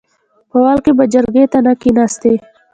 په اول کې به جرګې ته نه کېناستې .